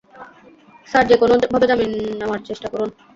Sir, যে কোনোভাবে জামিন নেওয়ার চেষ্টা করুন।